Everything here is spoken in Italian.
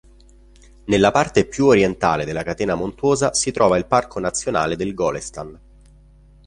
Nella parte più orientale della catena montuosa si trova il parco nazionale del Golestan.